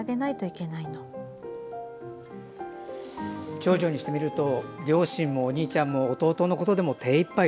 長女にしてみると両親もお兄ちゃんも弟のことで手いっぱい。